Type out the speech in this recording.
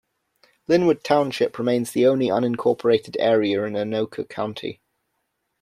Linwood Township remains the only unincorporated area in Anoka County.